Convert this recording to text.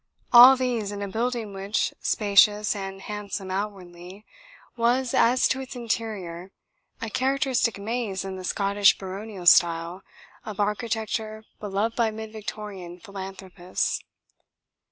all these in a building which, spacious and handsome outwardly, was, as to its interior, a characteristic maze in the Scottish baronial style of architecture beloved by mid Victorian philanthropists.